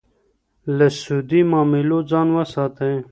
له سودي معاملو ځان وساتئ.